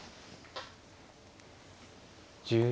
１０秒。